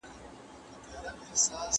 زه اوس ليکلي پاڼي ترتيب کوم؟